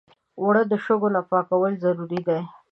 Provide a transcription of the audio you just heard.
اوړه د شګو نه پاکول ضروري دي